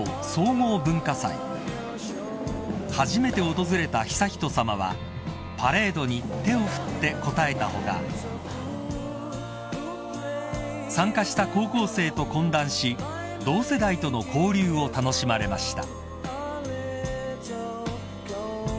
［初めて訪れた悠仁さまはパレードに手を振って応えた他参加した高校生と懇談し同世代との交流を楽しまれました］